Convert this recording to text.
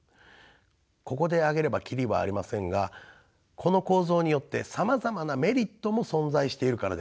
ここで挙げれば切りはありませんがこの構造によってさまざまなメリットも存在しているからです。